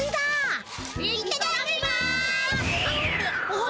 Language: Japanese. あ？